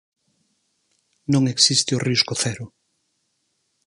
Non existe o risco cero.